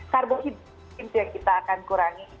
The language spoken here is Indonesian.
karbohidrat itu yang kita akan kurangi